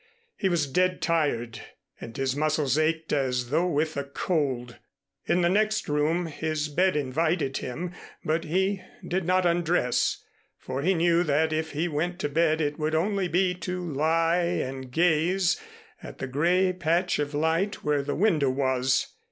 He was dead tired and his muscles ached as though with a cold. In the next room his bed invited him, but he did not undress, for he knew that if he went to bed it would only be to lie and gaze at the gray patch of light where the window was.